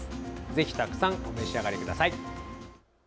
ぜひたくさんお召し上がりください。